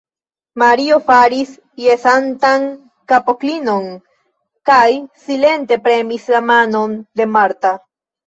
Mario faris jesantan kapoklinon kaj silente premis la manon de Marta.